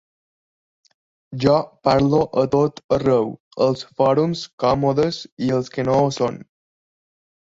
Jo parlo a tot arreu, als fòrums còmodes i als que no ho són.